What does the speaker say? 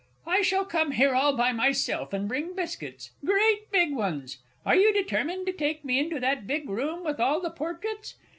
_) I shall come here all by myself, and bring biscuits. Great big ones! Are you determined to take me into that big room with all the Portraits?